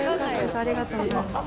ありがとうございます。